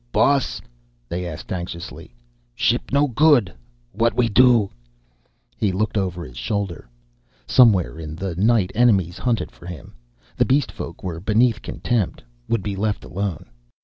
"Huh, boss?" they asked anxiously. "Ship no good? What we do?" He looked over his shoulder. Somewhere in the night enemies hunted for him. The beast folk were beneath contempt, would be left alone.